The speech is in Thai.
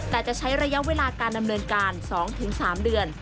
แต่จะใช้ระยะเวลาการดำเนินการ๒๓เดือน